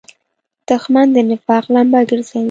دښمن د نفاق لمبه ګرځوي